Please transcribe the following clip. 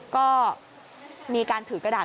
ก็มีการถือกระดาษ